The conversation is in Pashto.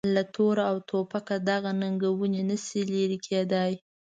له توره او توپکه دغه ننګونې نه شي لرې کېدای.